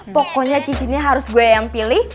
pokoknya cincinnya harus gue yang pilih